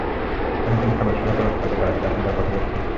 এখন তিনি স্বগতস্বরে পরাজিত হতে পারেন, সেই আশঙ্কার কথা বলতে শুরু করেছেন।